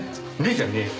じゃねえよ。